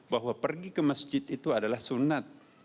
bahwa pergi ke masjid itu adalah sunat